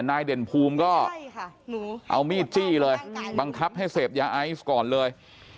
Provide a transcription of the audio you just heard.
เด่นภูมิก็เอามีดจี้เลยบังคับให้เสพยาไอซ์ก่อนเลย